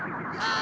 あ！